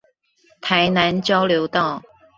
台南交流道